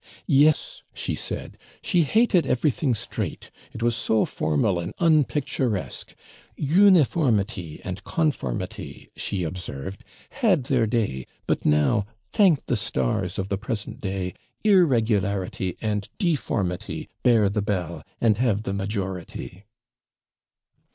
'Yes,' she said, 'she hated everything straight, it was so formal and UNPICTURESQUE. Uniformity and conformity, she observed, had their day; but now, thank the stars of the present day, irregularity and deformity bear the bell, and have the majority.'